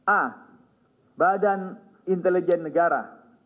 a badan intelijen negara